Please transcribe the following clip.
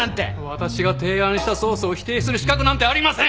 私が提案したソースを否定する資格なんてありません！